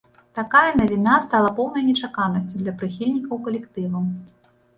Такая навіна стала поўнай нечаканасцю для прыхільнікаў калектыву.